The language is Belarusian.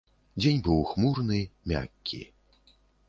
Дзень быў хмурны, мяккі.